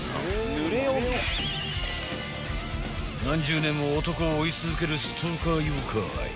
［何十年も男を追い続けるストーカー妖怪］